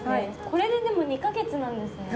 これででも２カ月なんですね。